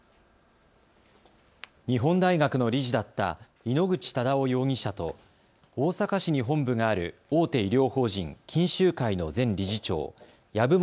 日本大学の理事だった井ノ口忠男容疑者と大阪市に本部がある大手医療法人、錦秀会の前理事長、籔本